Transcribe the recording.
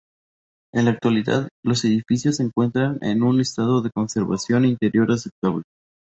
En la actualidad, los edificios se encuentran en un estado de conservación interior aceptable.